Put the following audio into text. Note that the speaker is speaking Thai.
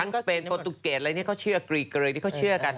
ทั้งสเปนตุเกร็ดอะไรเนี้ยก็เชื่อกรีดมันเลยนี่ก็เชื่อกัน